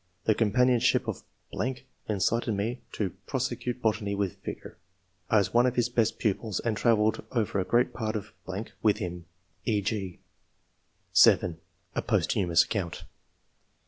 The companionship of .... incited me to prosecute botany with vigour. I was one of his best pupils, and travelled over a great part of .... with him." {e, g) (7) [A posthumous account.